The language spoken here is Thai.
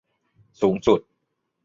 สูงสุด